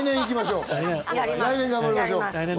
来年、頑張りましょう。